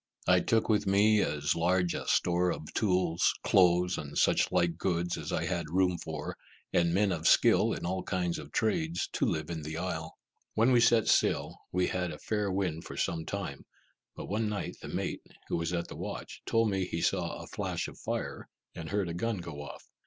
I took with me as large a store of tools, clothes, and such like goods as I had room for, and men of skill in all kinds of trades, to live in the isle. When we set sail, we had a fair wind for some time, but one night the mate, who was at the watch, told me he saw a flash of fire, and heard a gun go off.